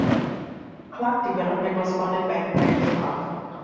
Clark Development was founded by Fred Clark.